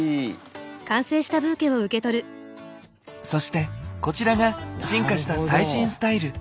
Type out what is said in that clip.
そしてこちらが進化した最新スタイル